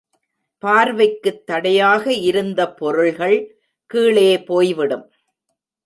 பார்வைக்குத் தடையாக இருந்த பொருள்கள் கீழே போய்விடும்.